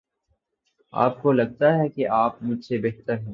آپ کو لگتا ہے کہ آپ مجھ سے بہتر ہیں۔